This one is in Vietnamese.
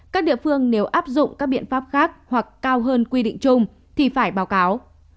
các địa phương nếu áp dụng các biện pháp khác hoặc cao hơn quy định chung thì phải báo cáo